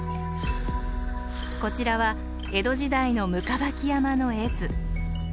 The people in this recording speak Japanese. こちらは江戸時代の行縢山の絵図。